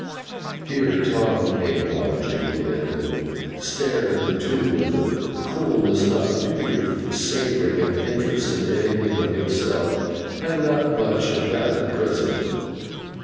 Here Tom came lounging in, and stared at the two with a coolness not particularly savouring of interest in anything but himself, and not much of that at present.